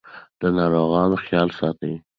د ناروغانو خیال ساتئ.